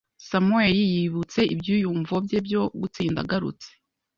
Samuel yibutse ibyiyumvo bye byo gutsinda agarutse